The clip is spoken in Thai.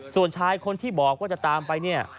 ส่วนชายคนที่บอกว่าจะตามไปเนี่ย